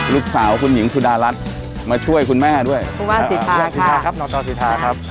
ลูกสาวคุณหญิงสุดารัฐมาช่วยคุณแม่ด้วยพี่ว่าซิธาครับน้องตอน่าวซิธาครับ